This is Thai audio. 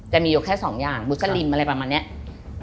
จะมีอยู่แค่สองอย่างมุสลิมอะไรประมาณนี้